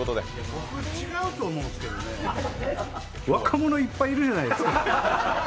僕違うと思うんですけど、若者いっぱいいるいじゃないですか。